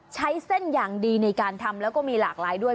ใช้เส้นอย่างดีในการทำแล้วก็มีหลากหลายด้วย